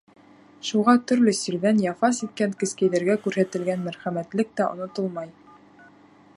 Шуға төрлө сирҙән яфа сиккән кескәйҙәргә күрһәтелгән мәрхәмәтлек тә онотолмай.